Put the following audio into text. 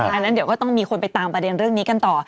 อันนั้นเดี๋ยวก็ต้องมีคนไปตามประเด็นเรื่องนี้กันต่อ